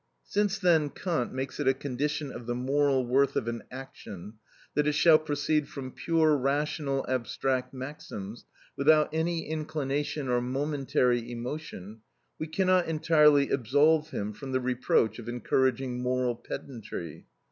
Since then Kant makes it a condition of the moral worth of an action, that it shall proceed from pure rational abstract maxims, without any inclination or momentary emotion, we cannot entirely absolve him from the reproach of encouraging moral pedantry.